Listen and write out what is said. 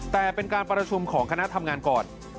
แต่เป็นการประชุมของคณะทำงานก่อน